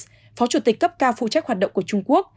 phó chủ tịch cấp cao phụ trách hoạt động của trung quốc